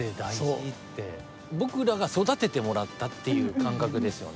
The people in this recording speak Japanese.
僕らが育ててもらったっていう感覚ですよね。